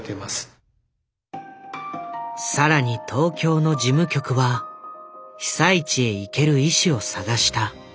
更に東京の事務局は被災地へ行ける医師を探した。